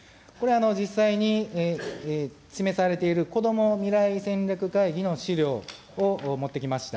実際に示されているこども未来戦略会議の資料を持ってきました。